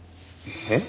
えっ？